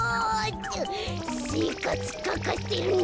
せいかつかかってるんだ。